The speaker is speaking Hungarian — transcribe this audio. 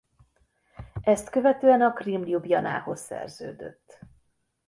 Ezt követően a Krim Ljubljanához szerződött.